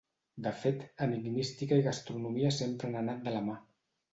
De fet, enigmística i gastronomia sempre han anat de la mà.